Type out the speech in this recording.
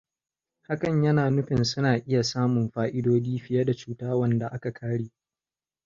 Hakan yana nufin suna iya samun fa'idodi fiye da cuta wanda aka kare.